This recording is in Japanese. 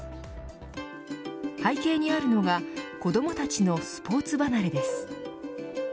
背景にあるのが子どもたちのスポーツ離れです。